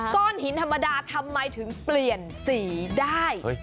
ก้อนหินธรรมดาทำไมถึงเปลี่ยนสีได้